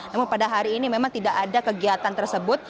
namun pada hari ini memang tidak ada kegiatan tersebut